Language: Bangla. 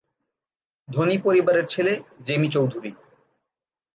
ধনী পরিবারের ছেলে জেমি চৌধুরী।